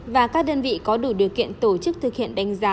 và các đơn vị có đủ điều kiện tổ chức thực hiện đánh giá